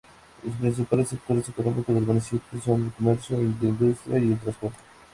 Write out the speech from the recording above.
Los principales sectores económicos del municipio son el comercio, la industria y el transporte.